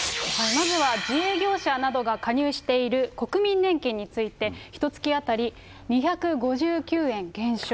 まずは自営業者などが加入している国民年金について、ひとつき当たり２５９円減少。